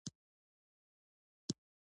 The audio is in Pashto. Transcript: دا واقعیتونه غوړېږي او حاصل ورکوي